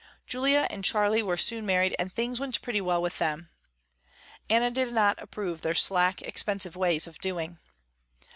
Julia and Charley were soon married and things went pretty well with them. Anna did not approve their slack, expensive ways of doing.